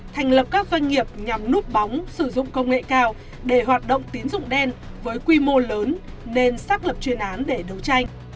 thành lập các doanh nghiệp nhằm núp bóng sử dụng công nghệ cao để hoạt động tín dụng đen với quy mô lớn nên xác lập chuyên án để đấu tranh